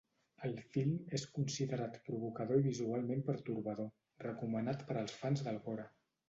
El film és considerat provocador i visualment pertorbador, recomanat per als fans del gore.